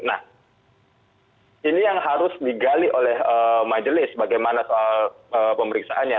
nah ini yang harus digali oleh majelis bagaimana soal pemeriksaannya